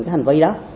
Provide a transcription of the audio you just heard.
cái hành vi đó